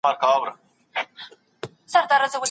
د وګړو آوازونه لوړېدله